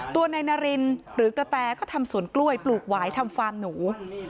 ตัวนายนารินหรือกระแตก็ทำสวนกล้วยปลูกหวายทำฟาร์มหนู